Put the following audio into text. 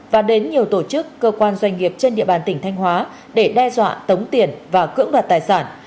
và đến nhiều tổ chức cơ quan doanh nghiệp trên địa bàn tỉnh thanh hóa để đe dọa tống tiền và cưỡng đoạt tài sản